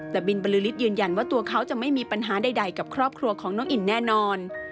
แต่บินบริษฐ์ยืนยันว่าตัวเขาจะไม่มีปัญหาใดกับครอบครัวของน้องอินแน่นอน